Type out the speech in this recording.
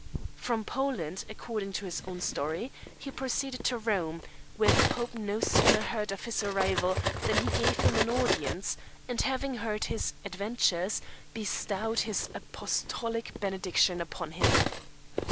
From Poland, according to his own story, he proceeded to Rome, where the Pope no sooner heard of his arrival than he gave him audience; and having heard his adventures, bestowed his apostolic benediction upon him.